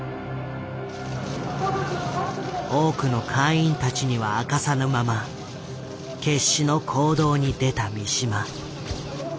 多くの会員たちには明かさぬまま決死の行動に出た三島。